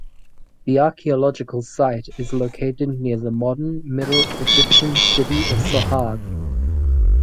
The archaeological site is located near the modern Middle Egyptian city of Sohag.